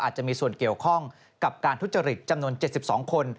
อาจจะมีส่วนเกี่ยวข้องกับการทุจริตจำนวน๗๒คน